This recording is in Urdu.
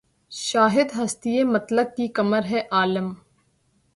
شاہدِ ہستیِ مطلق کی کمر ہے‘ عالم